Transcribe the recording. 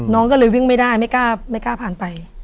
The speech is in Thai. น้องก็เลยวิ่งไม่ได้ไม่กล้าผ่านไป